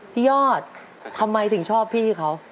ยอดทำไมถึงชอบพี่เขา